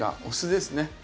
お酢ですね。